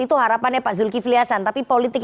itu harapannya pak zulkifli hasan tapi politik